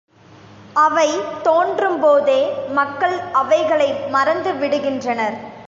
அவை தோன்றும்போதே மக்கள் அவைகளை மறந்துவிடுகின்றனர்.